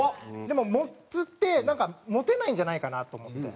でもモッズってなんかモテないんじゃないかなと思って。